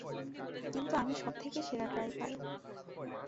কিন্তু, আমি সবথেকে সেরা ড্রাইভার।